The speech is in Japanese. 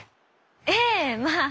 ええまあ。